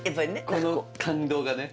この感動がね。